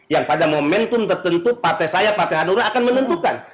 yang pada momentum tertentu partai saya partai hanura akan menentukan